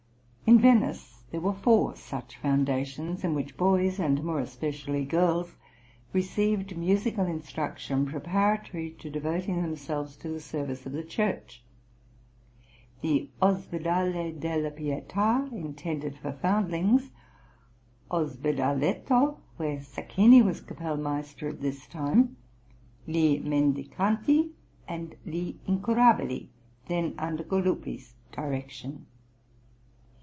In Venice there were four such foundations in which boys, and more especially girls, received musical instruction, preparatory to devoting themselves to the service of the Church: the Ospidale della Pietà, intended for foundlings; Ospedaletto, where Sacchini was kapellmeister at this time; Gli Mendicanti, and Gli Incurabili, then under Galuppi's direction.